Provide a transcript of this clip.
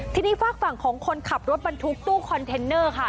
ทีนี้ฝากฝั่งของคนขับรถบรรทุกตู้คอนเทนเนอร์ค่ะ